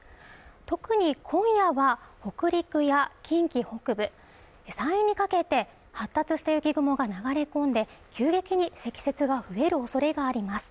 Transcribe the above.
特に今夜は北陸や近畿北部山陰にかけて発達した雪雲が流れ込んで急激に積雪が増えるおそれがあります